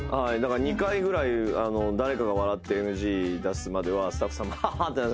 だから２回ぐらい誰かが笑ってＮＧ出すまではスタッフさんもハハッ！